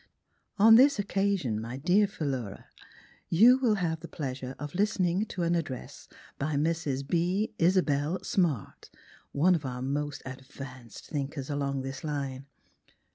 ''On this occasion, my dear Philura, u Miss Philura you will have the pleasure of listening to an address by Mrs. B. Isabelle Smart, one of our most advanced thinkers along this line.